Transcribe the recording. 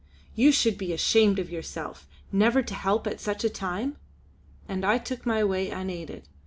You should be ashamed of yourself never to help at such a time," and I took my way unaided.